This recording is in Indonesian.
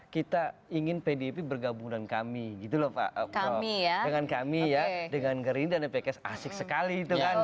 kita ingin pdip bergabung dengan kami dengan gerinda dan pks asik sekali